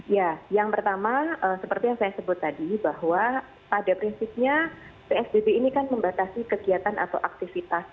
ya yang pertama seperti yang saya sebut tadi bahwa pada prinsipnya psbb ini kan membatasi kegiatan atau aktivitas